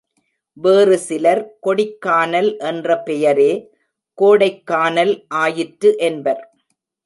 வேறு சிலர் கொடிக்கானல் என்ற பெயரே கோடைக்கானல் ஆயிற்று என்பர்.